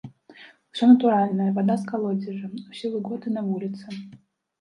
Усё натуральнае, вада з калодзежа, усе выгоды на вуліцы.